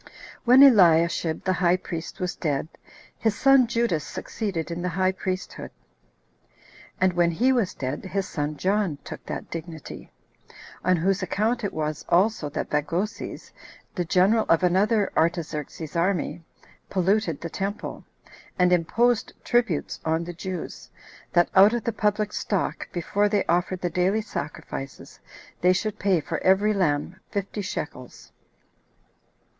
1. When Eliashib the high priest was dead, his son Judas succeeded in the high priesthood; and when he was dead, his son John took that dignity; on whose account it was also that Bagoses, the general of another Artaxerxes's army, 22 polluted the temple, and imposed tributes on the Jews, that out of the public stock, before they offered the daily sacrifices, they should pay for every lamb fifty shekels.